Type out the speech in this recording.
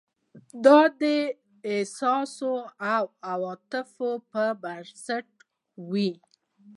دا د احساس او عواطفو پر بنسټ وي.